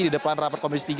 di depan rapat komisi tiga